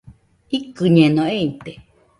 Ikɨñeno, eite